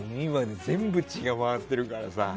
全部、血が回ってるからさ。